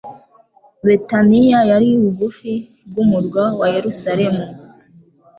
Betaniya yari bugufi bw'umurwa wa Yerusalemu,